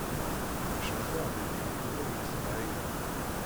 Cukkteɣ dakken Yuba yeẓra aya.